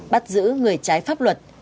bắt giữ người trái pháp luật